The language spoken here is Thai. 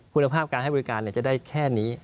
คุณภาพการให้บริการจะได้แค่นี้